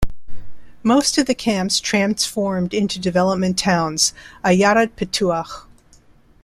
Most of the camps transformed into Development Towns - "Ayarat Pitu'ach".